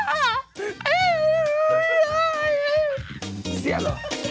เสียเหรอ